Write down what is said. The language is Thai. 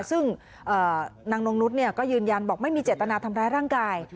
ซึ่งนางนงนุษย์ก็ยืนยันบอกไม่มีเจตนาทำร้ายร่างกาย